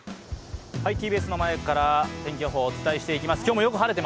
ＴＢＳの前から天気予報をお伝えしていきます。